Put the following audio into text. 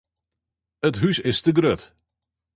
It hús is grut.